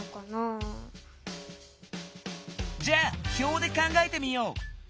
じゃあ表で考えてみよう！